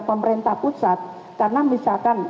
pemerintah pusat karena misalkan